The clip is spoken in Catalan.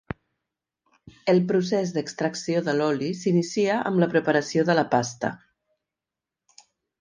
El procés d'extracció de l'oli s'inicia amb la preparació de la pasta.